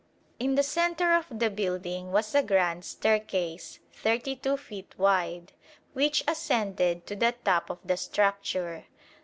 In the centre of the building was a grand staircase 32 feet wide which ascended to the top of the structure.